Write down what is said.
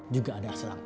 juga ada aslang